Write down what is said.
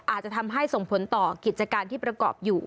อาจจะทำให้ส่งผลต่อกิจการที่ประกอบอยู่